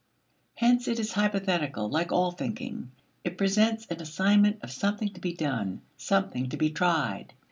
Hence it is hypothetical, like all thinking. It presents an assignment of something to be done something to be tried.